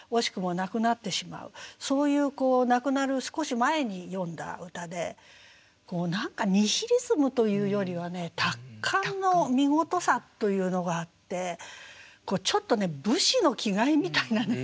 そういうこう亡くなる少し前に詠んだ歌で何かニヒリズムというよりはね達観の見事さというのがあってちょっと武士の気概みたいなね